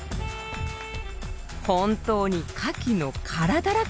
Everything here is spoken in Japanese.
本当にカキの殻だらけ！